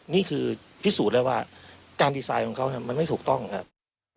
นี่คือพิสูจน์ได้ว่าการดีไซน์ของเขามันไม่ถูกต้องครับ